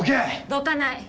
どかない。